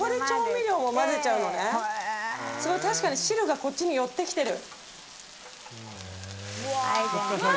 確かに汁がこっちに寄って来てる。